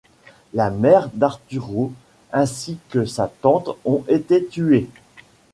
La mère d'Arturo ainsi que sa tante ont été tuées.